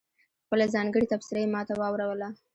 خپله ځانګړې تبصره یې ماته واوروله.